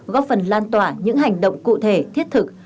góp phần lan tỏa những hành động cụ thể thiết thực